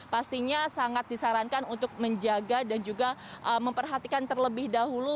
pastinya sangat disarankan untuk menjaga dan juga memperhatikan terlebih dahulu